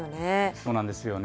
そうなんですよね。